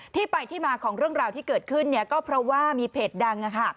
ที่ไปที่มาของเรื่องราวที่เกิดขึ้นเนี่ยก็เพราะว่ามีเพจดังค่ะ